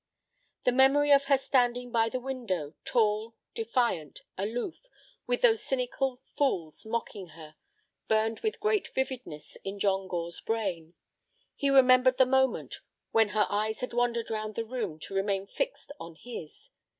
The memory of her standing by the window, tall, defiant, aloof, with those cynical fools mocking her, burned with great vividness in John Gore's brain. He remembered the moment when her eyes had wandered round the room to remain fixed on his.